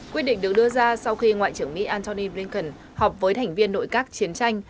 quyết định được đưa ra sau khi ngoại trưởng mỹ antony blinken họp với thành viên nội các chiến tranh